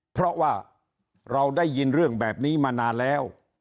เพราะว่าเราได้ยินเรื่องแบบนี้มานานแล้ว